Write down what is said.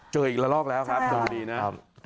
เจออีกละรอบแล้วครับดูดีนะ